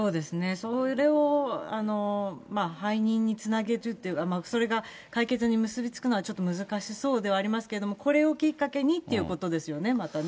それを背任につなげる、それが解決に結び付くのはちょっと難しそうではありますけれども、これをきっかけにということですよね、またね。